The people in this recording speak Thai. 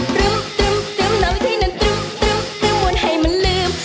ตรึมตรึมตรึมเหล่าที่นั้นตรึมตรึมตรึมมวนให้มันลืม